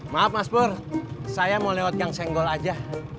maaf mas bur saya mau lewat gang senggol aja